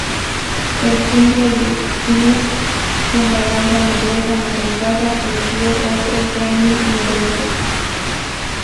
El single "Lift me" con la banda noruega Madrugada le dio otro Grammy noruego.